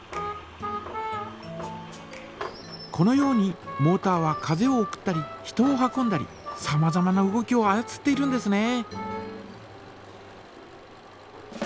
このようにモータは風を送ったり人を運んだりさまざまな動きをあやつっているんですね。